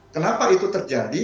kenapa itu terjadi